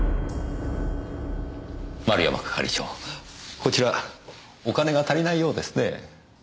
丸山係長こちらお金が足りないようですね。